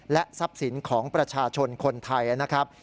และทรัพย์สินของประชาชนคนไทยนะครับ